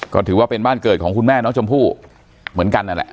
ก็ถือว่าเป็นบ้านเกิดของคุณแม่น้องชมพู่เหมือนกันนั่นแหละ